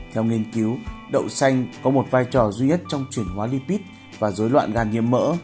theo nghiên cứu đậu xanh có một vai trò duy nhất trong chuyển hóa lipid và dối loạn gan nhiễm mỡ